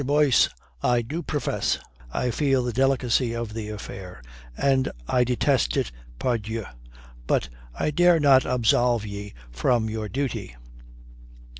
Boyce! I do profess I feel the delicacy of the affair, and I detest it, pardieu. But I dare not absolve ye from your duty."